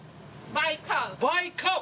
バイカウ！